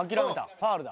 ファウルだ」